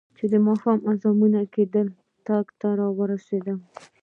چې د ماښام اذانونه کېدل، ټک ته ورسېدم.